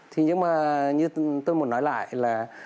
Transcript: thì nhưng mà như tôi muốn nói lại là